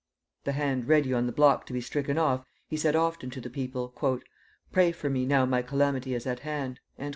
The hand ready on the block to be stricken off, he said often to the people: "Pray for me now my calamity is at hand."